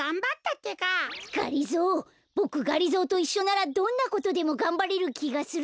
がりぞーボクがりぞーといっしょならどんなことでもがんばれるきがする。